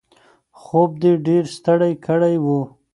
خوب دی ډېر ستړی کړی و.